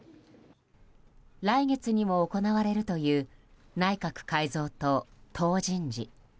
来月にも行われるという内閣改造と党人事。